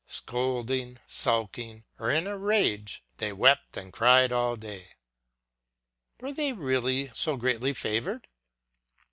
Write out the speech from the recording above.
Scolding, sulking, or in a rage, they wept and cried all day. Were they really so greatly favoured?